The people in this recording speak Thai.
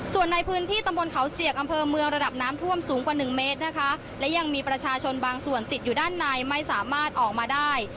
ส่วนในพื้นที่ตำบลเขาเจียกอำเภอเมืองระดับน้ำท่วมสูงกว่าหนึ่งเมตรนะคะและยังมีประชาชนบางส่วนติดอยู่ด้านในไม่สามารถออกมาได้